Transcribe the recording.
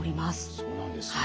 そうなんですね。